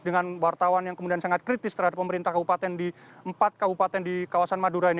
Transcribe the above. dan wartawan yang kemudian sangat kritis terhadap pemerintah kabupaten di empat kabupaten di kawasan madura ini